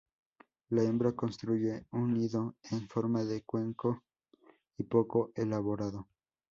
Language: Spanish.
La hembra construye un nido en forma de cuenco y poco elaborado.